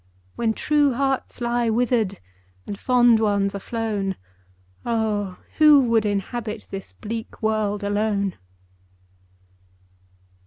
When true hearts lie wither'd, And fond ones are flown, Oh ! who would inhabit This bleak world alone